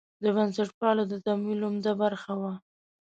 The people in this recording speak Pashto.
د بنسټپالو د تمویل عمده برخه وه.